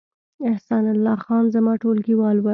احسان الله خان زما ټولګیوال و